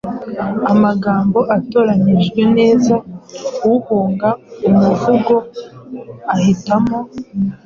Amagambo atoranyijwe neza: Uhanga umuvugo ahitamo